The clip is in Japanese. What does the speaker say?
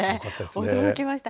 驚きました。